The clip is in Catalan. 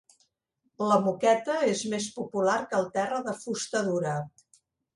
La moqueta és més popular que el terra de fusta dura